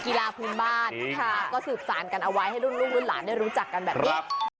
กีฬาพื้นบ้านนะคะก็สืบสารกันเอาไว้ให้รุ่นลูกรุ่นหลานได้รู้จักกันแบบนี้